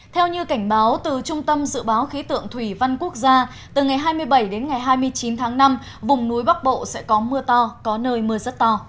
theo như cảnh báo từ trung tâm dự báo khí tượng thủy văn quốc gia từ ngày hai mươi bảy đến ngày hai mươi chín tháng năm vùng núi bắc bộ sẽ có mưa to có nơi mưa rất to